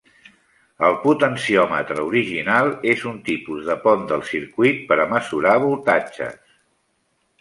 El potenciòmetre original és un tipus de pont del circuit per a mesurar voltatges.